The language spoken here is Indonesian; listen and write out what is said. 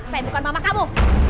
saya bukan mama kamu